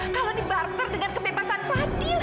kalau dibarter dengan kebebasan fadil